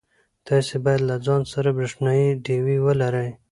تاسي باید له ځان سره برېښنایی ډېوې ولرئ.